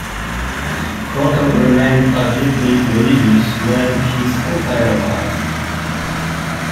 Crocker remained a deeply religious man his entire life.